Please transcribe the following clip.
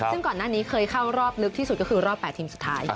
ซึ่งก่อนหน้านี้เคยเข้ารอบลึกที่สุดก็คือรอบ๘ทีมสุดท้าย